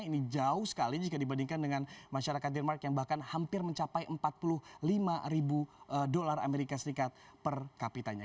ini jauh sekali jika dibandingkan dengan masyarakat denmark yang bahkan hampir mencapai empat puluh lima ribu dolar amerika serikat per kapitanya